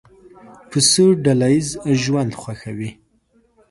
پسه ډله ییز ژوند خوښوي.